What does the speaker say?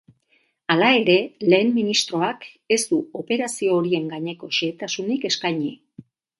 Hala ere, ehen ministroak ez du operazio horien gaineko xehetasunik eskaini.